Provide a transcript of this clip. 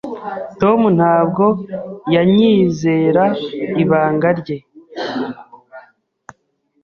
Tom ntabwo yanyizera ibanga rye.